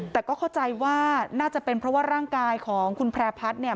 แต่ก็เข้าใจว่าน่าจะเป็นเพราะว่าร่างกายของคุณแพร่พัฒน์เนี่ย